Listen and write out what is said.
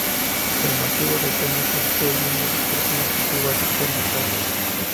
El macizo de Teno constituye una de las partes más antiguas de Tenerife.